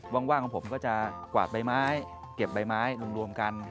ว่างของผมก็จะกวาดใบไม้เก็บใบไม้รวมกัน